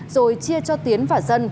rồi chia cho tiến và dân